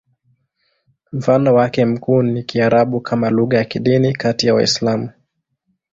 Mfano wake mkuu ni Kiarabu kama lugha ya kidini kati ya Waislamu.